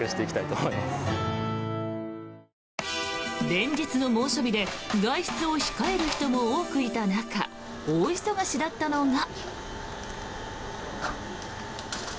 連日の猛暑日で外出を控える人も多くいた中大忙しだったのが。